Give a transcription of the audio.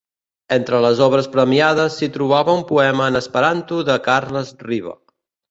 Entre les obres premiades, s'hi trobava un poema en esperanto de Carles Riba.